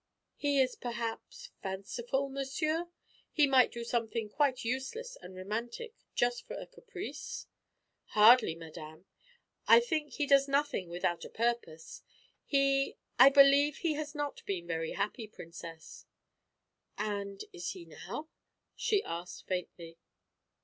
"He is perhaps fanciful, monsieur? He might do something quite useless and romantic, just for a caprice?" "Hardly, madame. I think he does nothing without a purpose. He I believe he has not been very happy, Princess." "And, is he now?" she asked faintly.